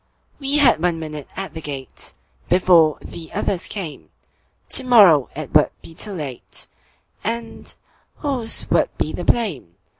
We had one minute at the gate, Before the others came; To morrow it would be too late, And whose would be the blame!